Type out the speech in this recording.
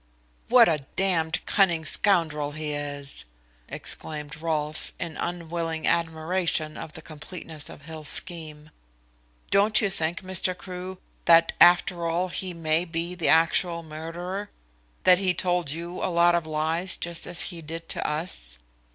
"What a damned cunning scoundrel he is," exclaimed Rolfe, in unwilling admiration of the completeness of Hill's scheme. "Don't you think, Mr. Crewe, that, after all, he may be the actual murderer that he told you a lot of lies just as he did to us?